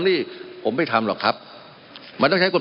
มันมีมาต่อเนื่องมีเหตุการณ์ที่ไม่เคยเกิดขึ้น